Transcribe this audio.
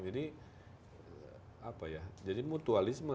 jadi apa ya jadi mutualisme